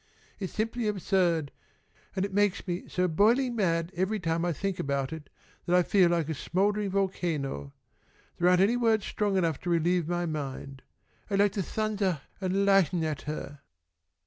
It's simply absurd, and it makes me so boiling mad every time I think about it that I feel like a smouldering volcano. There aren't any words strong enough to relieve my mind. I'd like to thundah and lighten at her."